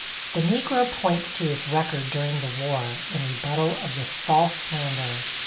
The Negro points to his record during the war in rebuttal of this false slander.